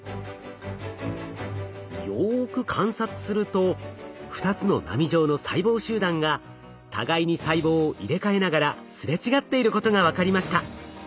よく観察すると２つの波状の細胞集団が互いに細胞を入れ替えながらすれ違っていることが分かりました。